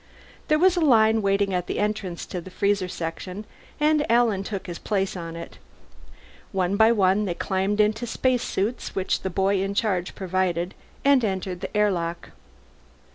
There was a line waiting at the entrance to the freezer section, and Alan took his place on it. One by one they climbed into the spacesuits which the boy in charge provided, and entered the airlock.